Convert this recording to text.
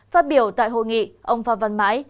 phát biểu tại hội nghị ông phạm văn mãi